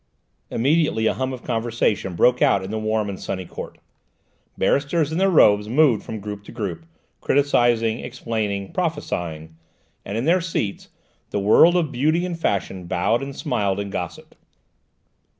Immediately a hum of conversation broke out in the warm and sunny court; barristers in their robes moved from group to group, criticising, explaining, prophesying; and in their seats the world of beauty and fashion bowed and smiled and gossiped.